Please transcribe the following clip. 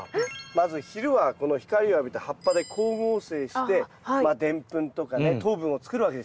まず昼は光を浴びて葉っぱで光合成してデンプンとかね糖分を作るわけですよ。